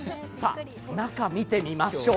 中見てみましょう。